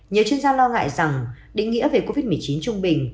nhiều chuyên gia lo ngại rằng định nghĩa về covid một mươi chín trung bình